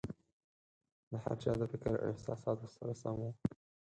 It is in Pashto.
د هر چا د فکر او احساساتو سره سم وو.